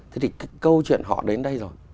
thế thì cái câu chuyện họ đến đây rồi